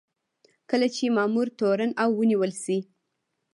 کله چې مامور تورن او ونیول شي.